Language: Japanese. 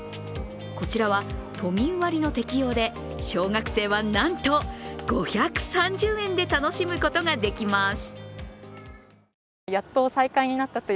こちらは都民割の適用で小学生はなんと５３０円で楽しむことができます。